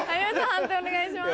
判定お願いします。